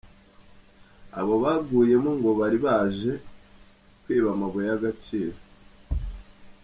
Abo baguyemo ngo bari baje kwiba amabuye y’agaciro.